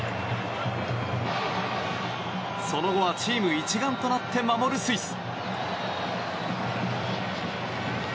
その後はチーム一丸となって守るスイス。